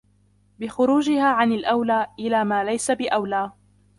بِخُرُوجِهَا عَنْ الْأَوْلَى إلَى مَا لَيْسَ بِأَوْلَى